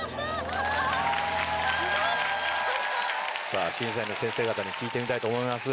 さぁ審査員の先生方に聞いてみたいと思いますが。